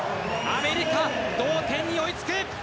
アメリカ、同点に追い付く。